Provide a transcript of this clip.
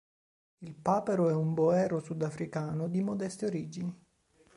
Il papero è un boero sudafricano di modeste origini.